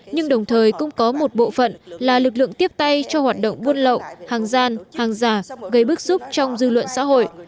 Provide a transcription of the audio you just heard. nhưng đồng thời cũng có một bộ phận là lực lượng tiếp tay cho hoạt động buôn lậu hàng gian hàng giả gây bức xúc trong dư luận xã hội